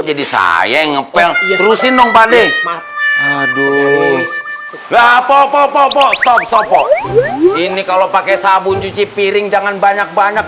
concern ngomong pade adus bshieldrobal insopo ini kalau pakai sabun cuci piring jangan banyak banyak